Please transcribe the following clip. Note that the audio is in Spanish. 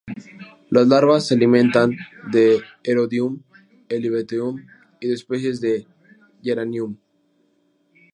Las larvas se alimentan de "Erodium", "Helianthemum" y de especies de "Geranium".